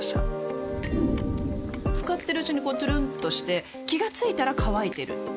使ってるうちにこうトゥルンとして気が付いたら乾いてる